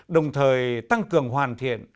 đồng thời tăng cường hoàn thiện